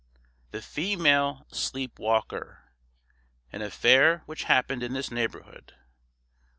THE FEMALE SLEEP WALKER. An Affair which happened in this Neighbourhood.